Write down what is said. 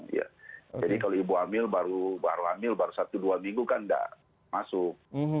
jadi kalau ibu hamil baru hamil baru satu dua minggu kan tidak masuk